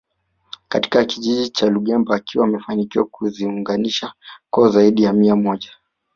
Katika kijiji cha Lungemba akiwa amefanikiwa kuziunganisha koo zaidi ya mia moja